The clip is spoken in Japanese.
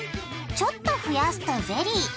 ちょっと増やすとゼリー。